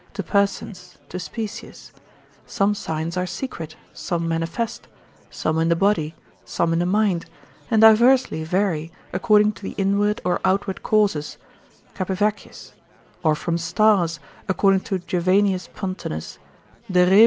2, to persons, to species; some signs are secret, some manifest, some in the body, some in the mind, and diversely vary, according to the inward or outward causes, Capivaccius: or from stars, according to Jovianus Pontanus, de reb.